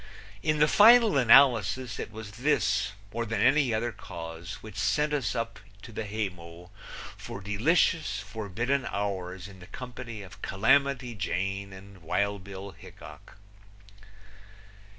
In the final analysis it was this more than any other cause which sent us up to the haymow for delicious, forbidden hours in the company of Calamity Jane and Wild Bill Hickok.